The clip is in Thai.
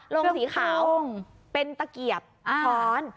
ลงสีขาวเป็นตะเกียบช้อน